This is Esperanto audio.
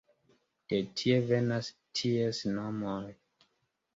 De tie venas ties nomoj.